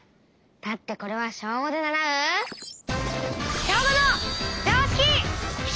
だってこれは小５で習う「小５の常識」